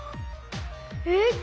えっ